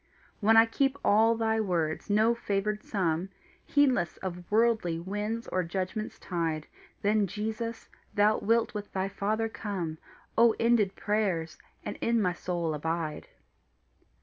When I keep ALL thy words, no favoured some Heedless of worldly winds or judgment's tide, Then, Jesus, thou wilt with thy Father come O ended prayers! and in my soul abide.